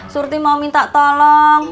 surti mau minta tolong